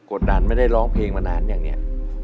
ดันไม่ได้ร้องเพลงมานานยังเนี่ย